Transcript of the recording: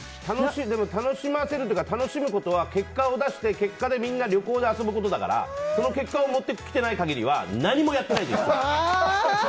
でも楽しませるというか楽しませるってことは結果を出して、結果でみんな旅行で遊ぶことだからその結果を持ってきてない限りは何もやってないんですよ！